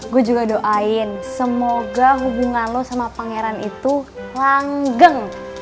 gue juga doain semoga hubungan lo sama pangeran itu langgeng